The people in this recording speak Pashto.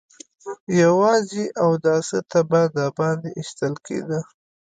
يواځې اوداسه ته به د باندې ايستل کېده.